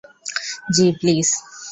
জ্বি, প্লিজ।